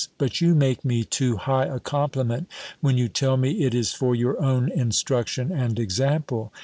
But you make me too high a compliment, when you tell me, it is for your own instruction and example.